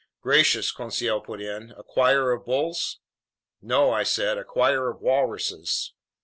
"Gracious," Conseil put in, "a choir of bulls?" "No," I said, "a choir of walruses."